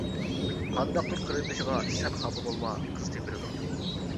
قانداقتۇر قېرىندىشىغا. سەن خاپا بولما، قىز تېپىلىدۇ.